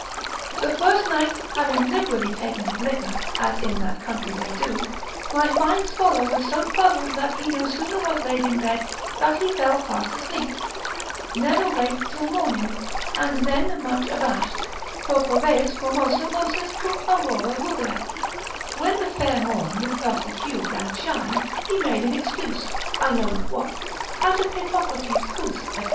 The first night, having liberally taken his liquor (as in that country they do) my fine scholar was so fuzzled, that he no sooner was laid in bed, but he fell fast asleep, never waked till morning, and then much abashed, purpureis formosa rosis cum Aurora ruberet; when the fair morn with purple hue 'gan shine, he made an excuse, I know not what, out of Hippocrates Cous, &c.